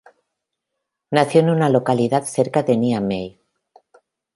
Nació en una localidad cerca de Niamey.